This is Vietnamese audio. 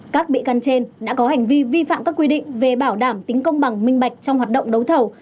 các bị can trên đã có hành vi vi phạm các quy định về bảo đảm tính công bằng minh bạch trong hoạt động đấu thầu